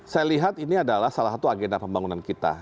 saya lihat ini adalah salah satu agenda pembangunan kita